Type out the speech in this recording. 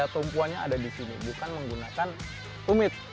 tumpuannya ada disini bukan menggunakan tumit